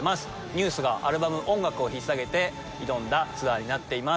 ＮＥＷＳがアルバム「音楽」をひっさげて挑んだツアーになっています